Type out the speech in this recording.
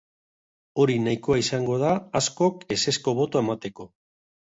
Hori nahikoa izango da askok ezezko botoa emateko.